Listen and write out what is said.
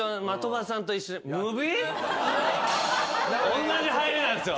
おんなじ入りなんすよ。